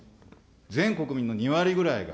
全国民の２割ぐらいが。